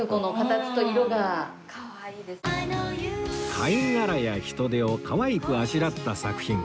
貝殻やヒトデを可愛くあしらった作品